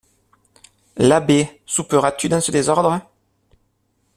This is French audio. L'abbé, souperas-tu dans ce désordre?